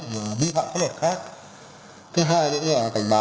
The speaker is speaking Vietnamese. và các doanh nghiệp